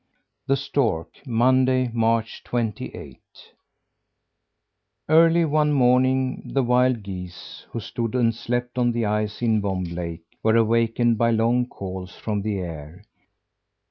THE STORK Monday, March twenty eighth. Early one morning the wild geese who stood and slept on the ice in Vomb Lake were awakened by long calls from the air.